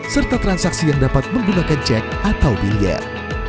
serta transaksi yang dapat menggunakan cek atau biliar